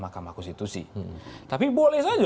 makam akustitusi tapi boleh saja